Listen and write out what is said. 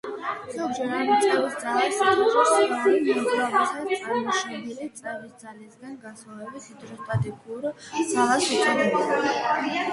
ზოგჯერ ამ წევის ძალას, სითხეში სხეულის მოძრაობისას წარმოშობილი წევის ძალისაგან განსხვავებით, ჰიდროსტატიკურ ძალას უწოდებენ.